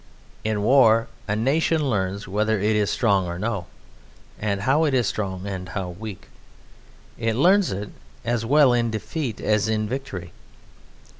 In war a nation learns whether it is strong or no, and how it is strong and how weak; it learns it as well in defeat as in victory.